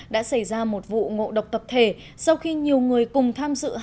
đã xảy ra một vụ ngộ độc tập thể sau khi nhiều người cùng tham dự